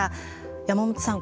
山本さん